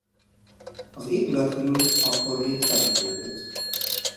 Az épület körül akkor még temető volt.